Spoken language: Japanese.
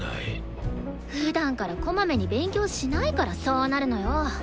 ふだんからこまめに勉強しないからそうなるのよ！